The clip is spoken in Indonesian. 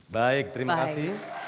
baik terima kasih